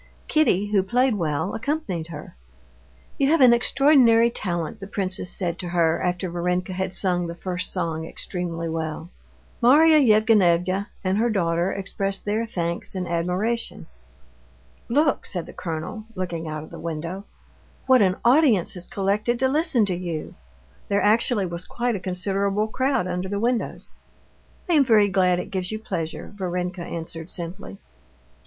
Kitty, who played well, accompanied her. "You have an extraordinary talent," the princess said to her after Varenka had sung the first song extremely well. Marya Yevgenyevna and her daughter expressed their thanks and admiration. "Look," said the colonel, looking out of the window, "what an audience has collected to listen to you." There actually was quite a considerable crowd under the windows. "I am very glad it gives you pleasure," Varenka answered simply.